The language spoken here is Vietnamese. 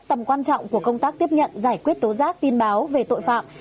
tầm quan trọng của công tác tiếp nhận giải quyết tố giác tin báo về tội phạm